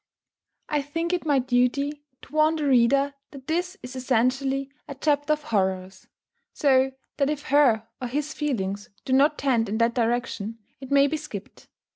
I think it my duty to warn the reader that this is essentially a chapter of horrors; so that if her or his feelings do not tend in that direction, it may be skipped.